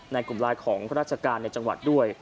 กลุ่มไลน์ของข้าราชการในจังหวัดด้วย